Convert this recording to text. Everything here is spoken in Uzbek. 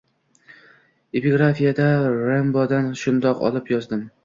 Epigrafida Rembodan shundoq olib yozdim.